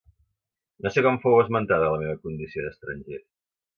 No sé com fou esmentada la meva condició d'estranger.